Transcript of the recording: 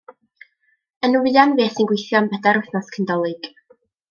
Yn Wuhan fues i'n gweithio am bedair wythnos cyn 'Dolig.